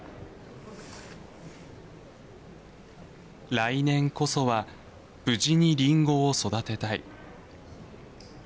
来年こそは無事にりんごを育てたい。